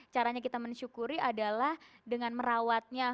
caranya kita mensyukuri adalah dengan merawatnya